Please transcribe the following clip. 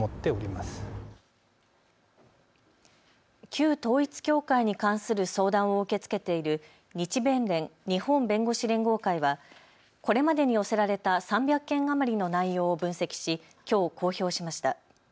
旧統一教会に関する相談を受け付けている日弁連・日本弁護士連合会はこれまでに寄せられた３００件余りの内容を分析し、きょう公表しました。